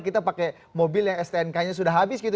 kita pakai mobil yang stnk nya sudah habis gitu